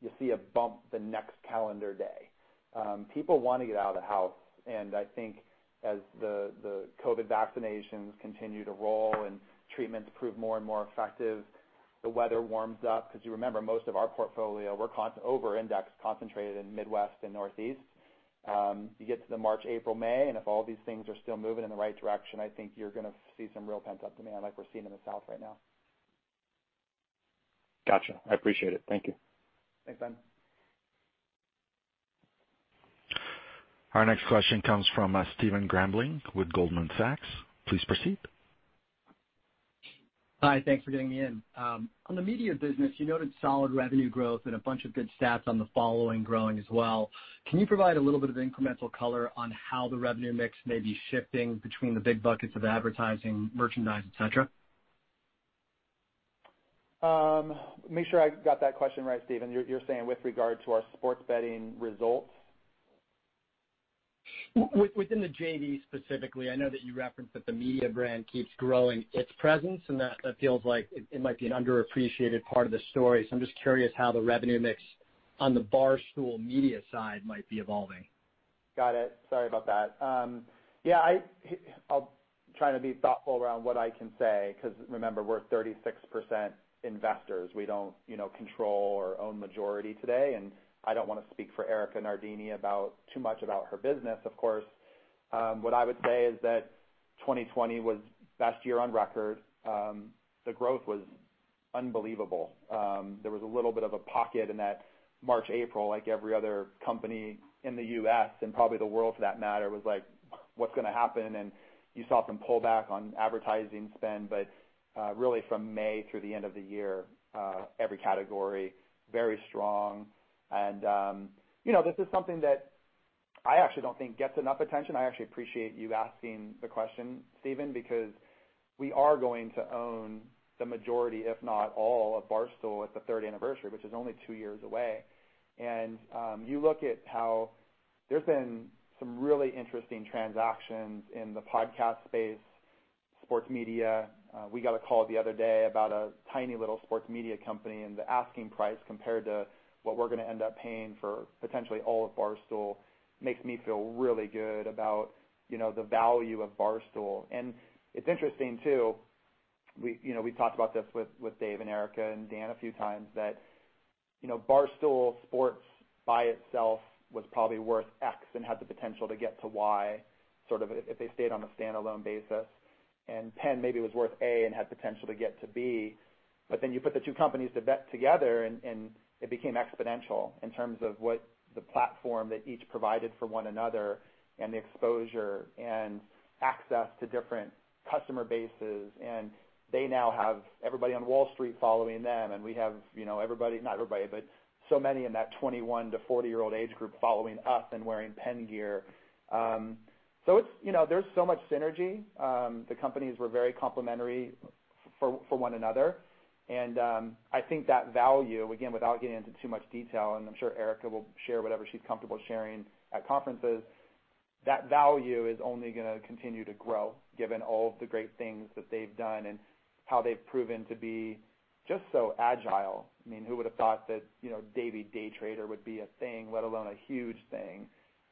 you'll see a bump the next calendar day. People want to get out of the house. I think as the COVID vaccinations continue to roll and treatments prove more and more effective, the weather warms up, because you remember, most of our portfolio, we're over-indexed, concentrated in Midwest and Northeast. You get to the March, April, May, and if all of these things are still moving in the right direction, I think you're going to see some real pent-up demand like we're seeing in the South right now. Got you. I appreciate it. Thank you. Thanks, Ben. Our next question comes from Stephen Grambling with Goldman Sachs. Please proceed. Hi, thanks for getting me in. On the media business, you noted solid revenue growth and a bunch of good stats on the following growing as well. Can you provide a little bit of incremental color on how the revenue mix may be shifting between the big buckets of advertising, merchandise, et cetera? Make sure I got that question right, Stephen. You're saying with regard to our sports betting results? Within the JV specifically, I know that you referenced that the media brand keeps growing its presence, and that feels like it might be an underappreciated part of the story. I'm just curious how the revenue mix on the Barstool media side might be evolving. Got it. Sorry about that. Yeah, I'll try to be thoughtful around what I can say because remember, we're 36% investors. We don't control or own majority today. I don't want to speak for Erika Nardini about too much about her business, of course. What I would say is that 2020 was the best year on record. The growth was unbelievable. There was a little bit of a pocket in that March, April, like every other company in the U.S., and probably the world for that matter, was like, "What's going to happen?" You saw some pullback on advertising spend, but really from May through the end of the year, every category, very strong. This is something that I actually don't think gets enough attention. I actually appreciate you asking the question, Stephen, because we are going to own the majority, if not all, of Barstool at the third anniversary, which is only two years away. You look at how there's been some really interesting transactions in the podcast space sports media. We got a call the other day about a tiny little sports media company, and the asking price compared to what we're going to end up paying for potentially all of Barstool makes me feel really good about the value of Barstool. It's interesting too, we talked about this with Dave and Erika and Dan a few times that Barstool Sports by itself was probably worth X and had the potential to get to Y, sort of if they stayed on a standalone basis. PENN maybe was worth A and had potential to get to B. Then you put the two companies together, and it became exponential in terms of what the platform that each provided for one another and the exposure and access to different customer bases. They now have everybody on Wall Street following them, and we have everybody, not everybody, but so many in that 21 to 40-year-old age group following us and wearing PENN gear. There's so much synergy. The companies were very complimentary for one another. I think that value, again, without getting into too much detail, and I'm sure Erika will share whatever she's comfortable sharing at conferences, that value is only going to continue to grow given all of the great things that they've done and how they've proven to be just so agile. Who would've thought that Davey Day Trader would be a thing, let alone a huge thing?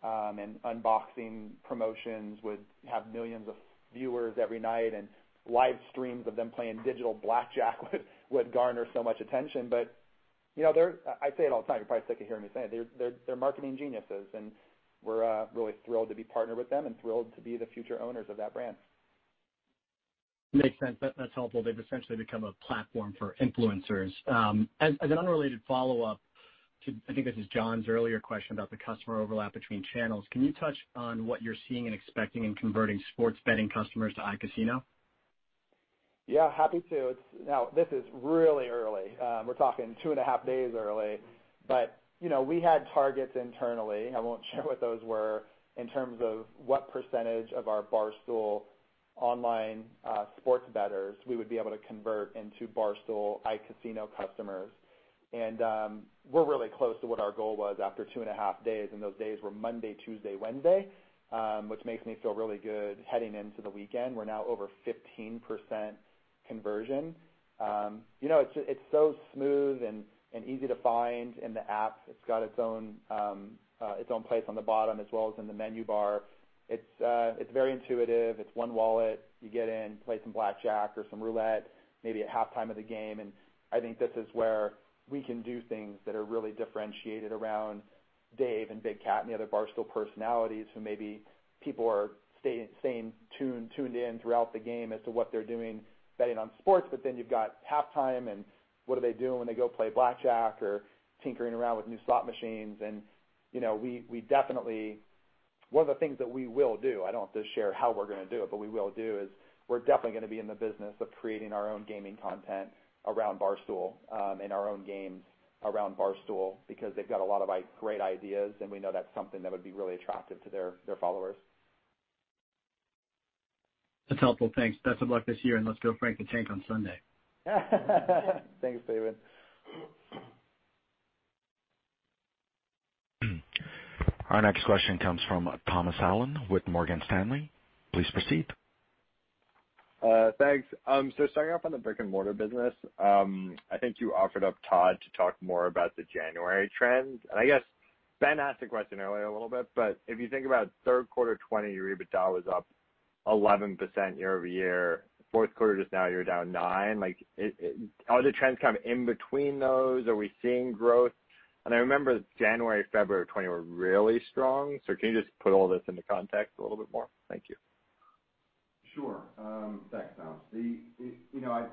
Unboxing promotions would have millions of viewers every night, and live streams of them playing digital blackjack would garner so much attention. I say it all the time, you're probably sick of hearing me say it. They're marketing geniuses, and we're really thrilled to be partnered with them and thrilled to be the future owners of that brand. Makes sense. That's helpful. They've essentially become a platform for influencers. As an unrelated follow-up to, I think this is John's earlier question about the customer overlap between channels. Can you touch on what you're seeing and expecting in converting sports betting customers to iCasino? Yeah, happy to. This is really early. We're talking two and a half days early, we had targets internally. I won't share what those were in terms of what percentage of our Barstool online sports bettors we would be able to convert into Barstool iCasino customers. We're really close to what our goal was after two and a half days, and those days were Monday, Tuesday, Wednesday, which makes me feel really good heading into the weekend. We're now over 15% conversion. It's so smooth and easy to find in the app. It's got its own place on the bottom as well as in the menu bar. It's very intuitive. It's one wallet. You get in, play some blackjack or some roulette, maybe at halftime of the game. I think this is where we can do things that are really differentiated around Dave and Big Cat and the other Barstool personalities who maybe people are staying tuned in throughout the game as to what they're doing betting on sports. You've got halftime. What are they doing when they go play blackjack or tinkering around with new slot machines? One of the things that we will do, I don't have to share how we're going to do it, but we will do is we're definitely going to be in the business of creating our own gaming content around Barstool, and our own games around Barstool because they've got a lot of great ideas. We know that's something that would be really attractive to their followers. That's helpful. Thanks. Best of luck this year, and let's go Frank the Tank on Sunday. Thanks, David. Our next question comes from Thomas Allen with Morgan Stanley. Please proceed. Thanks. Starting off on the brick and mortar business, I think you offered up Todd to talk more about the January trends. I guess Ben asked the question earlier a little bit, if you think about third quarter 2020, your EBITDA was up 11% year-over-year. Fourth quarter, just now you're down 9%. Are the trends kind of in between those? Are we seeing growth? I remember January, February of 2020 were really strong. Can you just put all this into context a little bit more? Thank you. Sure. Thanks, Thomas.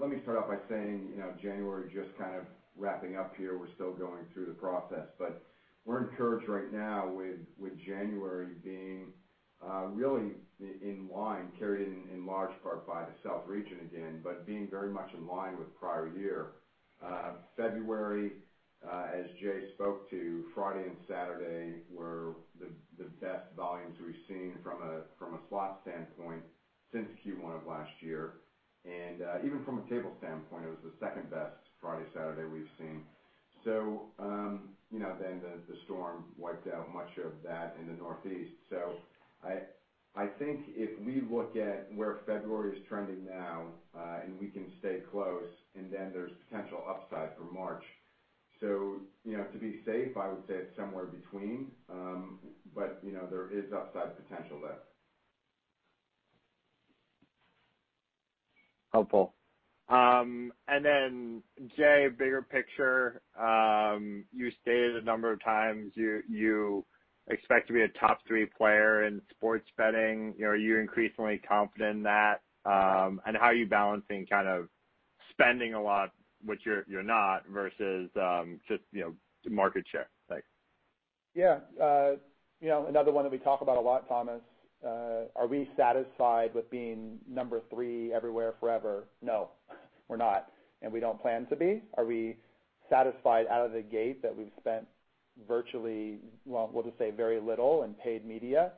Let me start off by saying, January, just kind of wrapping up here. We are still going through the process, but we are encouraged right now with January being really in line, carried in large part by the South region again, but being very much in line with prior year. February, as Jay spoke to, Friday and Saturday were the best volumes we have seen from a slot standpoint since Q1 of last year. Even from a table standpoint, it was the second-best Friday, Saturday we have seen. The storm wiped out much of that in the Northeast. I think if we look at where February is trending now, and we can stay close, then there is potential upside for March. To be safe, I would say it is somewhere between. There is upside potential there. Helpful. Jay, bigger picture, you stated a number of times you expect to be a top three player in sports betting. Are you increasingly confident in that? How are you balancing kind of spending a lot, which you're not, versus just market share? Thanks. Yeah. Another one that we talk about a lot, Thomas. Are we satisfied with being number three everywhere forever? No, we're not, and we don't plan to be. Are we satisfied out of the gate that we've spent virtually, well, we'll just say very little in paid media,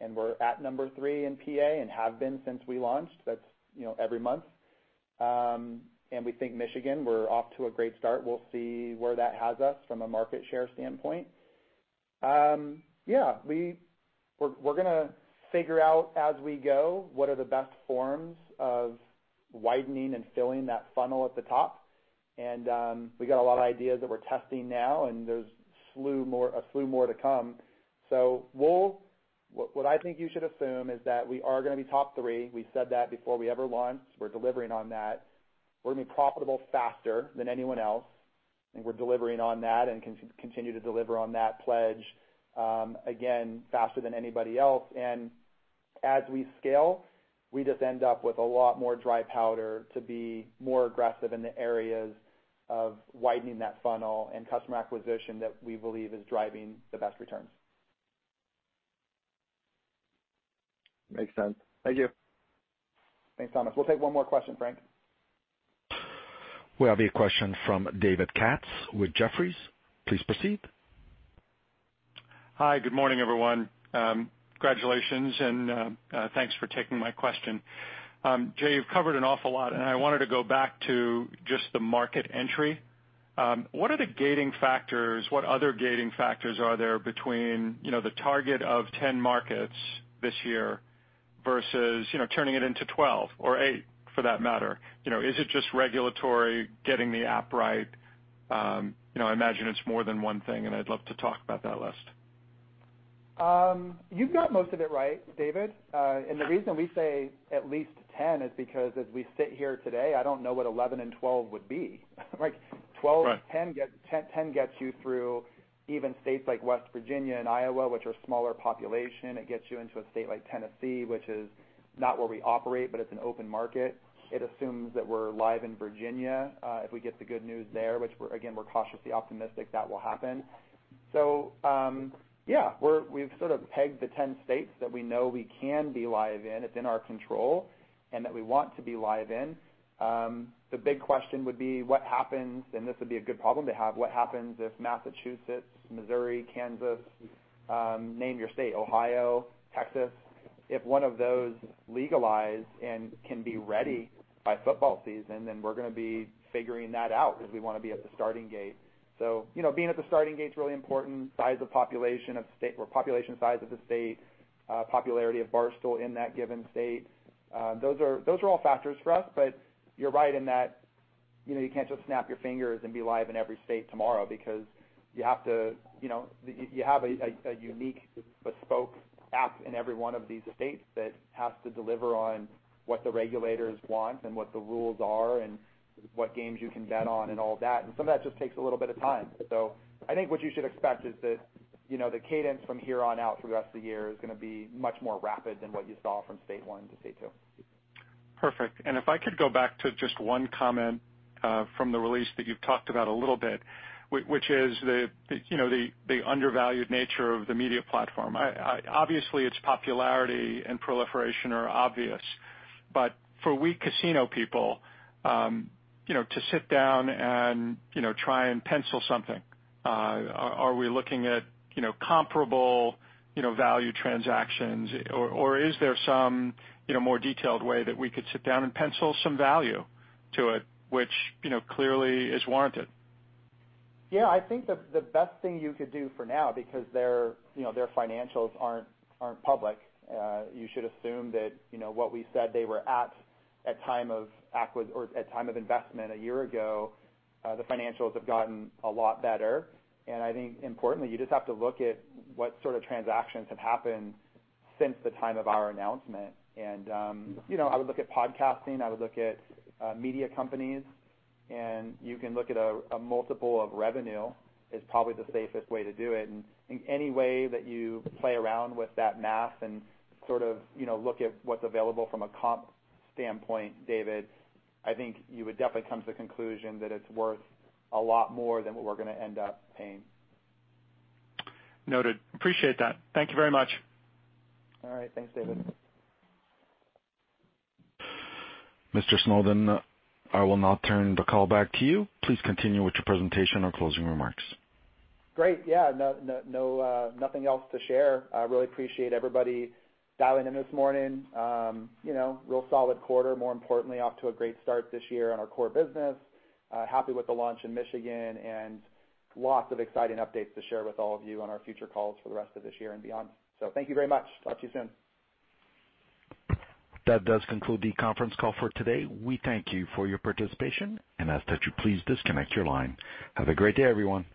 and we're at number three in PA and have been since we launched? That's every month. We think Michigan, we're off to a great start. We'll see where that has us from a market share standpoint. Yeah. We're going to figure out as we go, what are the best forms of widening and filling that funnel at the top. We got a lot of ideas that we're testing now, and there's a slew more to come. What I think you should assume is that we are going to be top three. We said that before we ever launched. We're delivering on that. We're going to be profitable faster than anyone else, and we're delivering on that and continue to deliver on that pledge, again, faster than anybody else. As we scale, we just end up with a lot more dry powder to be more aggressive in the areas of widening that funnel and customer acquisition that we believe is driving the best returns. Makes sense. Thank you. Thanks, Thomas. We'll take one more question, Frank. We have a question from David Katz with Jefferies. Please proceed. Hi. Good morning, everyone. Congratulations and thanks for taking my question. Jay, you've covered an awful lot, and I wanted to go back to just the market entry. What are the gating factors? What other gating factors are there between the target of 10 markets this year versus turning it into 12? Or eight, for that matter. Is it just regulatory, getting the app right? I imagine it's more than one thing, and I'd love to talk about that list. You've got most of it right, David. The reason we say at least 10 is because as we sit here today, I don't know what 11 and 12 would be. Right. 10 gets you through even states like West Virginia and Iowa, which are smaller population. It gets you into a state like Tennessee, which is not where we operate, but it's an open market. It assumes that we're live in Virginia, if we get the good news there, which again, we're cautiously optimistic that will happen. Yeah. We've sort of pegged the 10 states that we know we can be live in. It's in our control and that we want to be live in. The big question would be what happens, and this would be a good problem to have, what happens if Massachusetts, Missouri, Kansas, name your state, Ohio, Texas, if one of those legalize and can be ready by football season, we're going to be figuring that out because we want to be at the starting gate. Being at the starting gate's really important. Size of population of state or population size of the state, popularity of Barstool in that given state. Those are all factors for us, you're right in that you can't just snap your fingers and be live in every state tomorrow because you have a unique bespoke app in every one of these states that has to deliver on what the regulators want and what the rules are and what games you can bet on and all that, and some of that just takes a little bit of time. I think what you should expect is that the cadence from here on out throughout the year is going to be much more rapid than what you saw from state one to state two. Perfect. If I could go back to just one comment from the release that you've talked about a little, which is the undervalued nature of the media platform. Obviously, its popularity and proliferation are obvious. For we casino people, to sit down and try and pencil something, are we looking at comparable value transactions, or is there some more detailed way that we could sit down and pencil some value to it, which clearly is warranted? Yeah, I think the best thing you could do for now, because their financials aren't public. You should assume that what we said they were at at time of investment a year ago, the financials have gotten a lot better. I think importantly, you just have to look at what sort of transactions have happened since the time of our announcement. I would look at podcasting, I would look at media companies. You can look at a multiple of revenue is probably the safest way to do it. Any way that you play around with that math and sort of look at what's available from a comp standpoint, David, I think you would definitely come to the conclusion that it's worth a lot more than what we're going to end up paying. Noted. Appreciate that. Thank you very much. All right. Thanks, David. Mr. Snowden, I will now turn the call back to you. Please continue with your presentation or closing remarks. Great. Yeah. Nothing else to share. I really appreciate everybody dialing in this morning. Real solid quarter, more importantly, off to a great start this year on our core business. Happy with the launch in Michigan and lots of exciting updates to share with all of you on our future calls for the rest of this year and beyond. Thank you very much. Talk to you soon. That does conclude the conference call for today. We thank you for your participation and ask that you please disconnect your line. Have a great day, everyone.